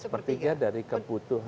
sepertiga dari kebutuhan